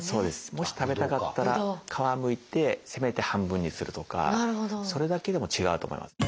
もし食べたかったら皮むいてせめて半分にするとかそれだけでも違うと思います。